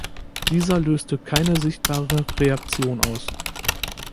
Dieser löste keine sichtbare Reaktion aus.